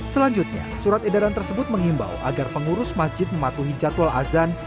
selanjutnya surat edaran tersebut mengimbau agar pengurus masjid mematuhi jadwal azan